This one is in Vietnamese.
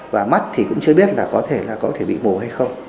và mắt thì cũng chưa biết là có thể bị mù hay không